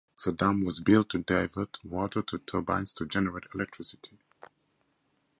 The dam was built to divert water to turbines to generate electricity.